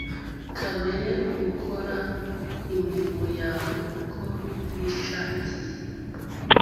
Kamere ukora imirimo yawe uko bishakiye